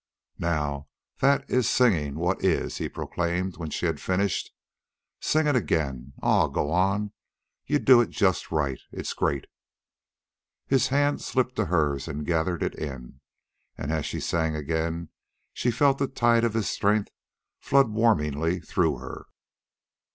"Now THAT is singing what is," he proclaimed, when she had finished. "Sing it again. Aw, go on. You do it just right. It's great." His hand slipped to hers and gathered it in, and as she sang again she felt the tide of his strength flood warmingly through her.